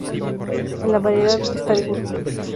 En la variedad está el gusto